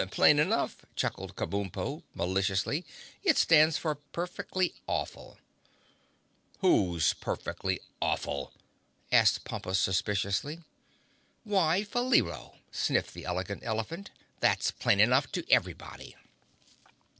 "Plain enough," chuckled Kabumpo, maliciously. "It stands for perfectly awful!" "Who's perfectly awful?" asked Pompus suspiciously. "Why, Faleero," sniffed the Elegant Elephant. "That's plain enough to everybody!"